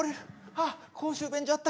あっ公衆便所あった。